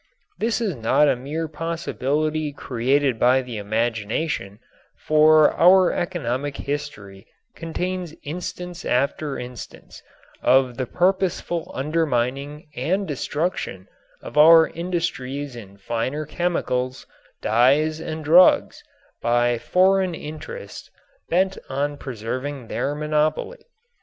This is not a mere possibility created by the imagination, for our economic history contains instance after instance of the purposeful undermining and destruction of our industries in finer chemicals, dyes and drugs by foreign interests bent on preserving their monopoly.